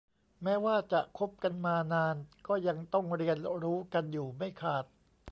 แม้ว่าจะคบกันมานานก็ยังต้องเรียนรู้กันอยู่ไม่ขาด